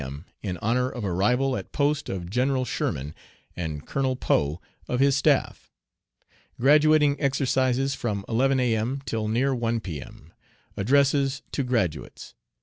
M. in honor of arrival at post of General Sherman and Colonel Poe of his staff. Graduating exercises from 11 A.M. till near 1 P.M. Addresses to graduates.